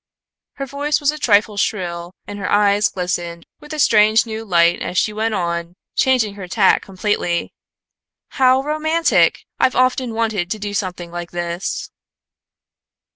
Her voice was a trifle shrill and her eyes glistened with a strange new light as she went on, changing her tack completely: "How romantic! I've often wanted to do something like this."